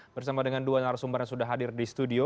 bersama dengan dua narasumber yang sudah hadir di studio